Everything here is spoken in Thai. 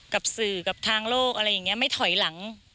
กับสื่อกับทางโลกอะไรอย่างนี้ไม่ถอยหลัง